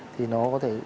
thì nó có thể